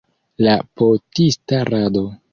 La potista rado.